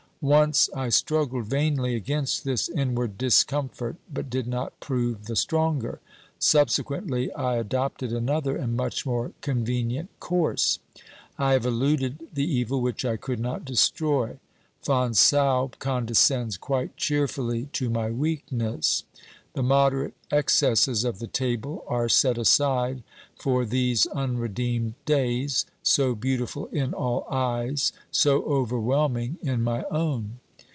Once I struggled vainly against tliis inward discomfort, but did not prove the stronger; subsequently I adopted another and much more convenient course ; I have eluded the evil which I could not destroy. Fonsalbe condescends 378 OBERMANN quite cheerfully to my weakness : the moderate excesses of the table are set aside for these unredeemed days, so beautiful in all eyes, so overwhelming in my own.